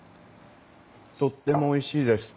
とってもおいしいです。